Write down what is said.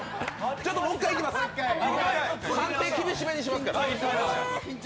判定、厳しめにしますからね。